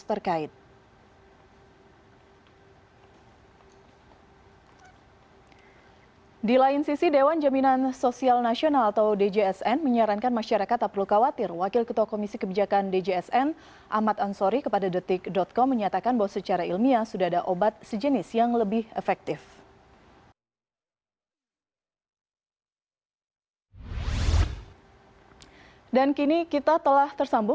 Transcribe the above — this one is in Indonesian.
pdib menduga kebijakan tersebut diambil terlebih dahulu sebelum mendengar masukan dari dokter ahli yang menangani kasus